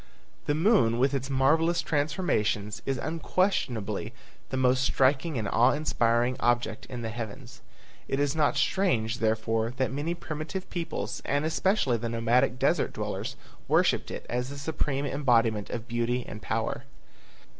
The moon with its marvelous transformations is unquestionably the most striking and awe inspiring object in the heavens. It is not strange, therefore, that many primitive peoples and especially the nomadic desert dwellers worshipped it as the supreme embodiment of beauty and power.